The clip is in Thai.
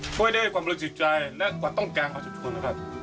ช่วยด้วยความบริสุขใจและขวัดต้องการของทุกคนนะครับ